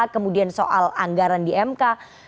kemudian soal anggaran di mk